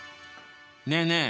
ねえねえ